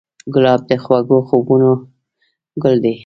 ګلاب د خوږو خوبونو ګل دی.